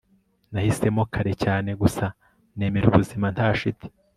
nahisemo, kare cyane, gusa nemera ubuzima nta shiti